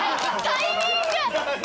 タイミング